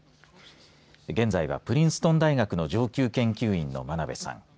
現在は、プリンストン大学の上級研究員の真鍋さん。